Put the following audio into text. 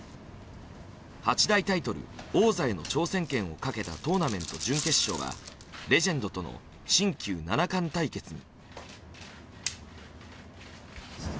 八大タイトル王座への挑戦権をかけたトーナメント準決勝はレジェンドとの新旧七冠対決に。